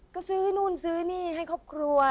ก็ซื้อนู่นซื้อนี่ให้ครอบครัว